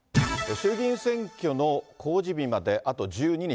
衆議院選挙の公示日まで、あと１２日。